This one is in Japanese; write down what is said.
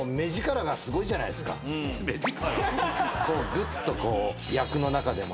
ぐっとこう役の中でもね。